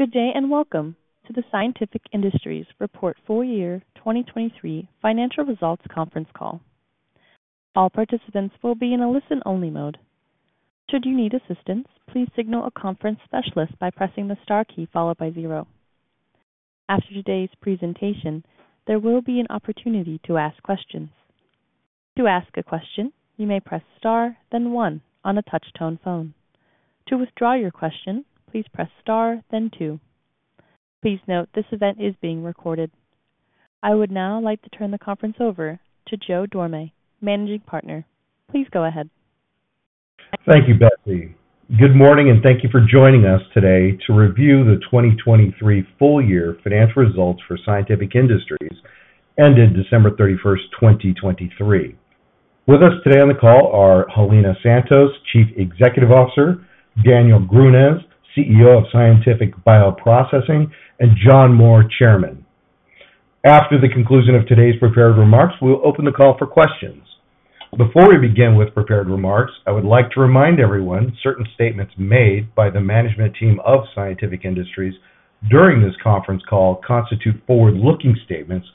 Good day, and welcome to the Scientific Industries Full Year 2023 Financial Results conference call. All participants will be in a listen-only mode. Should you need assistance, please signal a conference specialist by pressing the star key followed by zero. After today's presentation, there will be an opportunity to ask questions. To ask a question, you may press star, then one on a touch-tone phone. To withdraw your question, please press star, then two. Please note, this event is being recorded. I would now like to turn the conference over to Joe Dorame, Managing Partner. Please go ahead. Thank you, Betsy. Good morning, and thank you for joining us today to review the 2023 full year financial results for Scientific Industries, ended December 31, 2023. With us today on the call are Helena Santos, Chief Executive Officer, Daniel Grünes, CEO of Scientific Bioprocessing, and John Moore, Chairman. After the conclusion of today's prepared remarks, we'll open the call for questions. Before we begin with prepared remarks, I would like to remind everyone, certain statements made by the management team of Scientific Industries during this conference call constitute forward-looking statements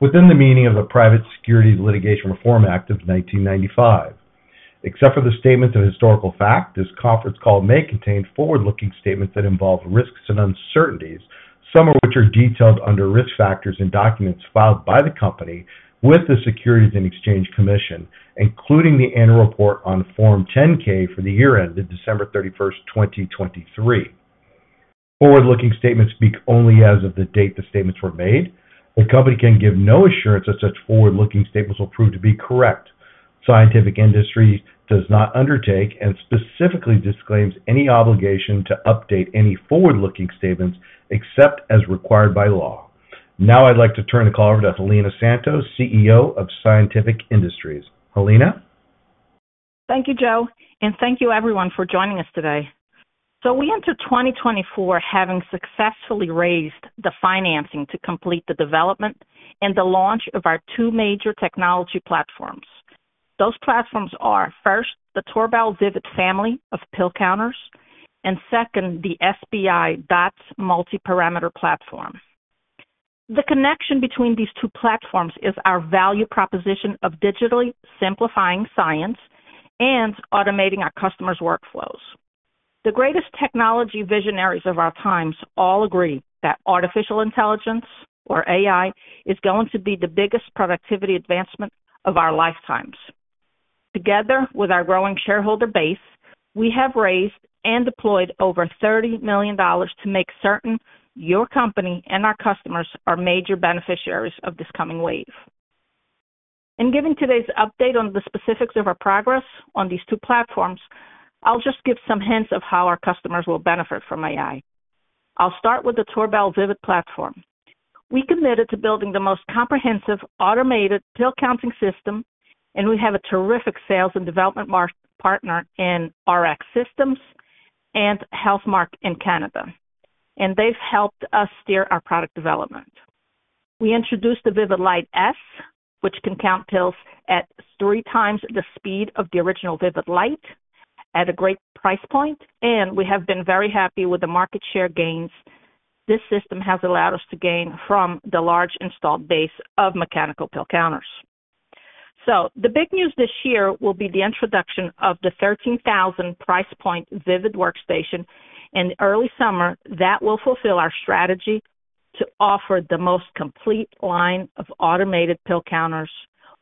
within the meaning of the Private Securities Litigation Reform Act of 1995. Except for the statements of historical fact, this conference call may contain forward-looking statements that involve risks and uncertainties, some of which are detailed under risk factors in documents filed by the company with the Securities and Exchange Commission, including the annual report on Form 10-K for the year ended December 31, 2023. Forward-looking statements speak only as of the date the statements were made. The company can give no assurance that such forward-looking statements will prove to be correct. Scientific Industries does not undertake and specifically disclaims any obligation to update any forward-looking statements, except as required by law. Now I'd like to turn the call over to Helena Santos, CEO of Scientific Industries. Helena? Thank you, Joe, and thank you everyone for joining us today. We enter 2024 having successfully raised the financing to complete the development and the launch of our two major technology platforms. Those platforms are, first, the Torbal Vivid family of pill counters, and second, the SBI DOTS multiparameter platform. The connection between these two platforms is our value proposition of digitally simplifying science and automating our customers' workflows. The greatest technology visionaries of our times all agree that artificial intelligence, or AI, is going to be the biggest productivity advancement of our lifetimes. Together with our growing shareholder base, we have raised and deployed over $30 million to make certain your company and our customers are major beneficiaries of this coming wave. In giving today's update on the specifics of our progress on these two platforms, I'll just give some hints of how our customers will benefit from AI. I'll start with the Torbal Vivid platform. We committed to building the most comprehensive, automated pill counting system, and we have a terrific sales and development partner in Rx Systems and Healthmark in Canada, and they've helped us steer our product development. We introduced the Vivid Lite S, which can count pills at three times the speed of the original Vivid Lite at a great price point, and we have been very happy with the market share gains. This system has allowed us to gain from the large installed base of mechanical pill counters. So the big news this year will be the introduction of the $13,000 price point Vivid Workstation in early summer. That will fulfill our strategy to offer the most complete line of automated pill counters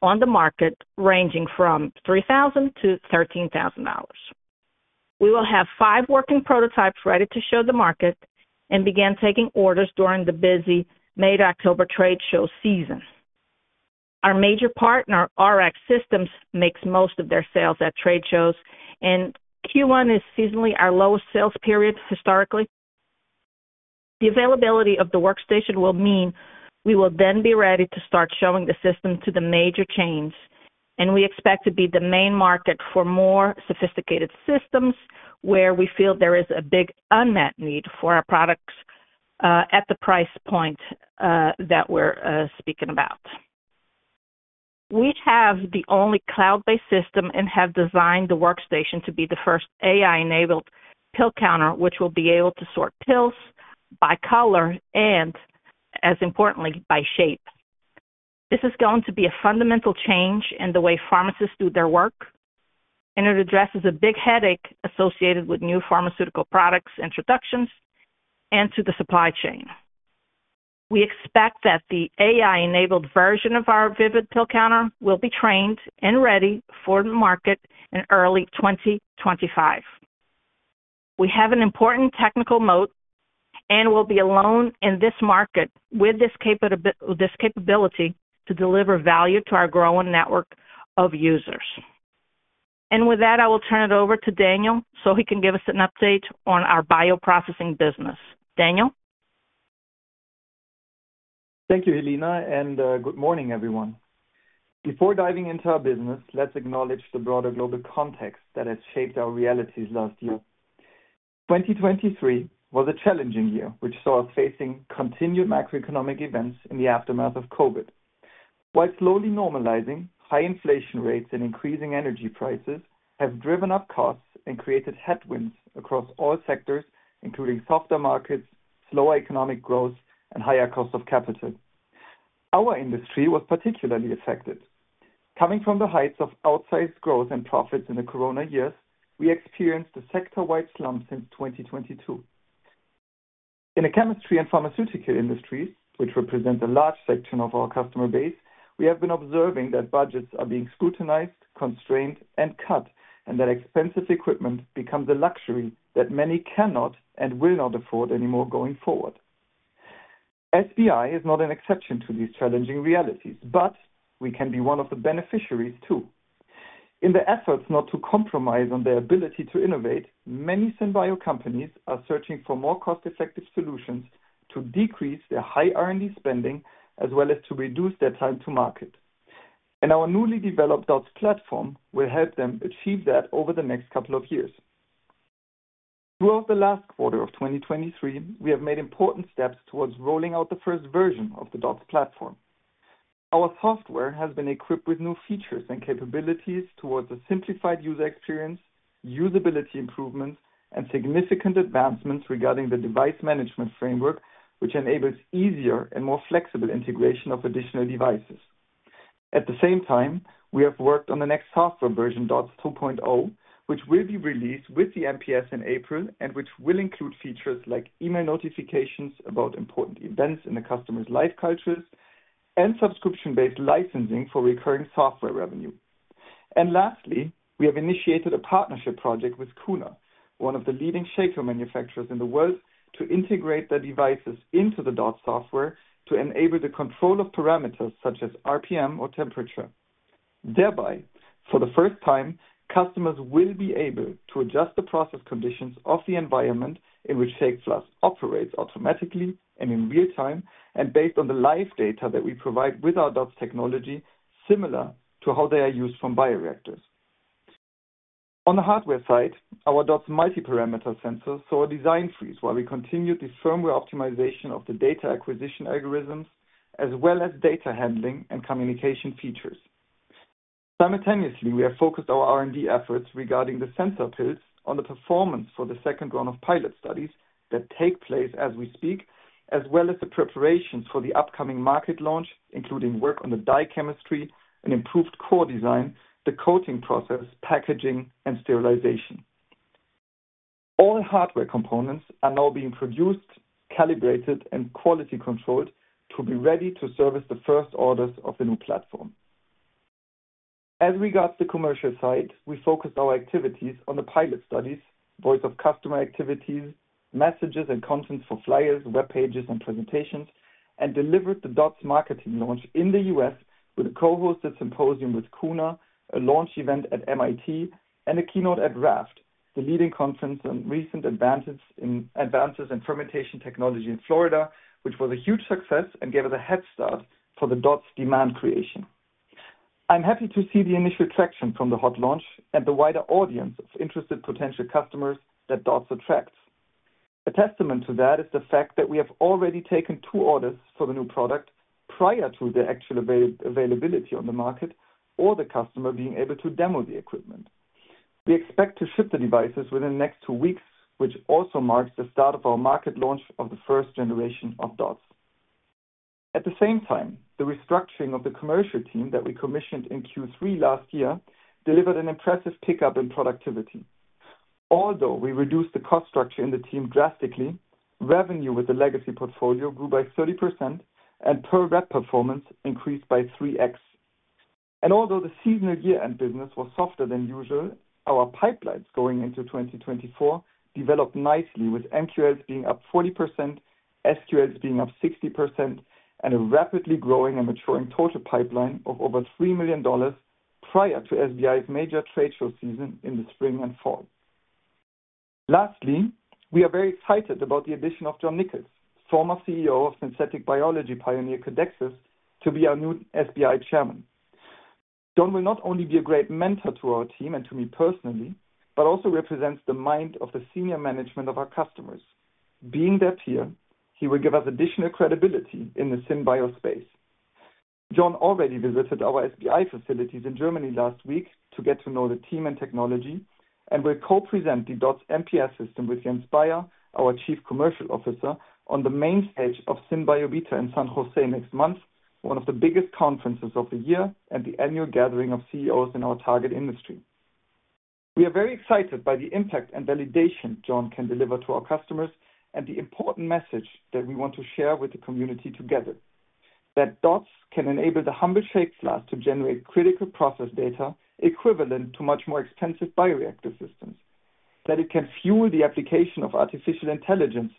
on the market, ranging from $3,000-$13,000. We will have five working prototypes ready to show the market and begin taking orders during the busy May-October trade show season. Our major partner, Rx Systems, makes most of their sales at trade shows, and Q1 is seasonally our lowest sales period, historically. The availability of the workstation will mean we will then be ready to start showing the system to the major chains, and we expect to be the main market for more sophisticated systems, where we feel there is a big unmet need for our products at the price point that we're speaking about. We have the only cloud-based system and have designed the workstation to be the first AI-enabled pill counter, which will be able to sort pills by color and as importantly, by shape. This is going to be a fundamental change in the way pharmacists do their work, and it addresses a big headache associated with new pharmaceutical products, introductions, and to the supply chain. We expect that the AI-enabled version of our Vivid pill counter will be trained and ready for the market in early 2025. We have an important technical moat and will be alone in this market with this capability to deliver value to our growing network of users. And with that, I will turn it over to Daniel so he can give us an update on our bioprocessing business. Daniel? Thank you, Helena, and good morning, everyone. Before diving into our business, let's acknowledge the broader global context that has shaped our realities last year. 2023 was a challenging year, which saw us facing continued macroeconomic events in the aftermath of COVID.... While slowly normalizing, high inflation rates and increasing energy prices have driven up costs and created headwinds across all sectors, including softer markets, slower economic growth, and higher cost of capital. Our industry was particularly affected. Coming from the heights of outsized growth and profits in the Corona years, we experienced a sector-wide slump since 2022. In the chemistry and pharmaceutical industries, which represent a large section of our customer base, we have been observing that budgets are being scrutinized, constrained, and cut, and that expensive equipment becomes a luxury that many cannot and will not afford anymore going forward. SBI is not an exception to these challenging realities, but we can be one of the beneficiaries, too. In the efforts not to compromise on their ability to innovate, many SynBio companies are searching for more cost-effective solutions to decrease their high R&D spending, as well as to reduce their time to market. Our newly developed DOTS platform will help them achieve that over the next couple of years. Throughout the last quarter of 2023, we have made important steps towards rolling out the first version of the DOTS platform. Our software has been equipped with new features and capabilities towards a simplified user experience, usability improvements, and significant advancements regarding the device management framework, which enables easier and more flexible integration of additional devices. At the same time, we have worked on the next software version, DOTS 2.0, which will be released with the MPS in April, and which will include features like email notifications about important events in the customer's live cultures and subscription-based licensing for recurring software revenue. Lastly, we have initiated a partnership project with Kuhner, one of the leading shaker manufacturers in the world, to integrate their devices into the DOTS software to enable the control of parameters such as RPM or temperature. Thereby, for the first time, customers will be able to adjust the process conditions of the environment in shake flask operates automatically and in real time, and based on the live data that we provide with our DOTS technology, similar to how they are used from bioreactors. On the hardware side, our DOTS multiparameter sensors saw a design freeze while we continued the firmware optimization of the data acquisition algorithms, as well as data handling and communication features. Simultaneously, we have focused our R&D efforts regarding the sensor pills on the performance for the second round of pilot studies that take place as we speak, as well as the preparations for the upcoming market launch, including work on the dye chemistry and improved core design, the coating process, packaging, and sterilization. All hardware components are now being produced, calibrated, and quality controlled to be ready to service the first orders of the new platform. As regards to the commercial side, we focused our activities on the pilot studies, voice of customer activities, messages and content for flyers, web pages, and presentations, and delivered the DOTS marketing launch in the U.S. with a co-hosted symposium with Kuhner, a launch event at MIT, and a keynote at RAFT, the leading conference on recent advances in fermentation technology in Florida, which was a huge success and gave us a head start for the DOTS demand creation. I'm happy to see the initial traction from the hot launch and the wider audience of interested potential customers that DOTS attracts. A testament to that is the fact that we have already taken two orders for the new product prior to the actual availability on the market or the customer being able to demo the equipment. We expect to ship the devices within the next two weeks, which also marks the start of our market launch of the first generation of DOTS. At the same time, the restructuring of the commercial team that we commissioned in Q3 last year delivered an impressive pickup in productivity. Although we reduced the cost structure in the team drastically, revenue with the legacy portfolio grew by 30%, and per rep performance increased by 3x. Although the seasonal year-end business was softer than usual, our pipelines going into 2024 developed nicely, with MQLs being up 40%, SQLs being up 60%, and a rapidly growing and maturing total pipeline of over $3 million prior to SBI's major trade show season in the spring and fall. Lastly, we are very excited about the addition of John Nicols, former CEO of synthetic biology pioneer Codexis, to be our new SBI chairman. John will not only be a great mentor to our team and to me personally, but also represents the mind of the senior management of our customers. Being that here, he will give us additional credibility in the SynBio space. John already visited our SBI facilities in Germany last week to get to know the team and technology, and will co-present the DOTS MPS system with Jens Bayer, our Chief Commercial Officer, on the main stage of SynBioBeta in San Jose next month, one of the biggest conferences of the year and the annual gathering of CEOs in our target industry. We are very excited by the impact and validation John can deliver to our customers and the important message that we want to share with the community together, that DOTS can enable the shake flask to generate critical process data equivalent to much more extensive bioreactor systems, that it can fuel the application of artificial intelligence,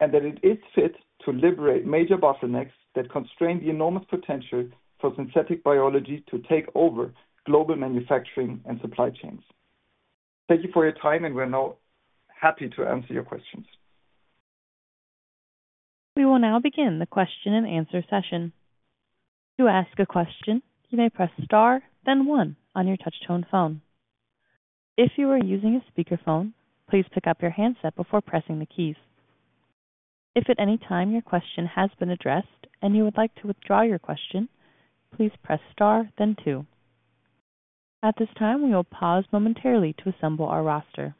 and that it is fit to liberate major bottlenecks that constrain the enormous potential for synthetic biology to take over global manufacturing and supply chains. Thank you for your time, and we're now happy to answer your questions. We will now begin the question-and-answer session. To ask a question, you may press star, then one on your touchtone phone. If you are using a speakerphone, please pick up your handset before pressing the keys. If at any time your question has been addressed and you would like to withdraw your question, please press star then two. At this time, we will pause momentarily to assemble our roster.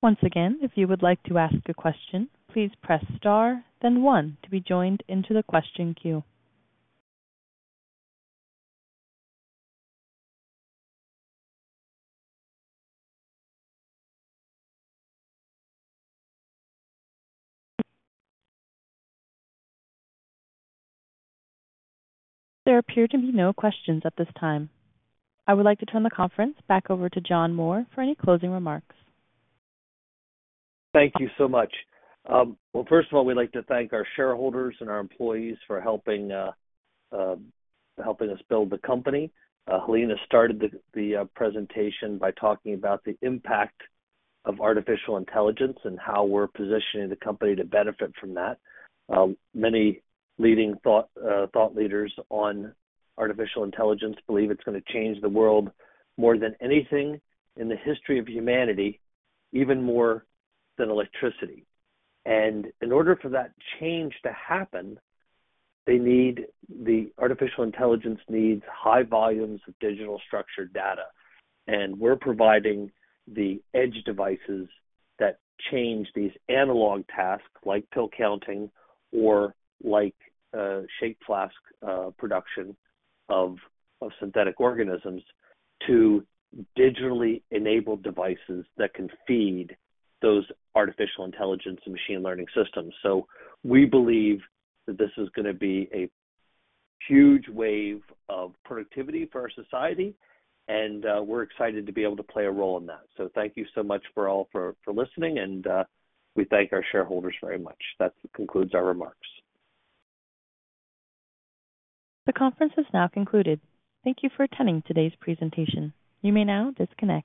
Once again, if you would like to ask a question, please press star then one to be joined into the question queue. There appear to be no questions at this time. I would like to turn the conference back over to John Moore for any closing remarks. Thank you so much. Well, first of all, we'd like to thank our shareholders and our employees for helping us build the company. Helena started the presentation by talking about the impact of artificial intelligence and how we're positioning the company to benefit from that. Many leading thought leaders on artificial intelligence believe it's going to change the world more than anything in the history of humanity, even more than electricity. And in order for that change to happen, they need... the artificial intelligence needs high volumes of digital structured data, and we're providing the edge devices that change these analog tasks, like pill counting or shake flask production of synthetic organisms, to digitally enable devices that can feed those artificial intelligence and machine learning systems. So we believe that this is gonna be a huge wave of productivity for our society, and, we're excited to be able to play a role in that. So thank you so much for all, for listening, and, we thank our shareholders very much. That concludes our remarks. The conference is now concluded. Thank you for attending today's presentation. You may now disconnect.